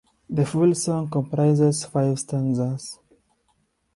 The full song comprises five stanzas.